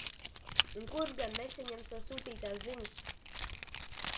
Un kurš gan nesaņem sev sūtītās ziņas?